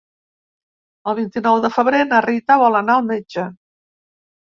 El vint-i-nou de febrer na Rita vol anar al metge.